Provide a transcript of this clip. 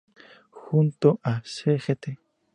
Junto a "Sgt.